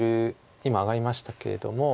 今上がりましたけれども。